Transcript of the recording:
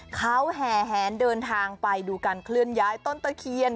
เขาแห่แหนเดินทางไปดูการเคลื่อนย้ายต้นตะเคียน